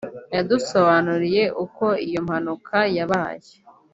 yadusobanuriye uko iyi mpanuka yabaye